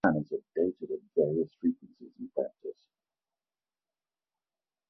This plan is updated at various frequencies in practice.